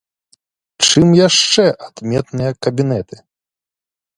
Чым яшчэ адметныя кабінеты?